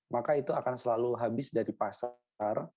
maka itu akan selalu habis dari pasar